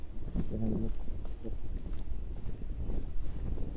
আমরা কি এখন মুখ চাটাচাটি করব?